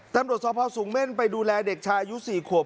ตัมรวจทศสูงเม่นไปดูแลเด็กชายุทธิ์สี่ขวบ